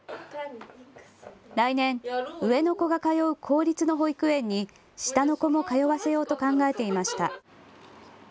来年、上の子が通う公立の保育園に下の子も通わせようと考えていました。